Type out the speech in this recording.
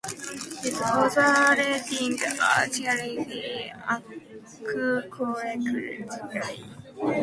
His other writings are chiefly archaeological.